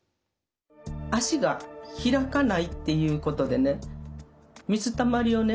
脚が開かないっていうことでね水たまりをね